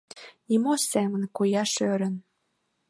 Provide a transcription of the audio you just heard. Нимо семын кояш ӧрын —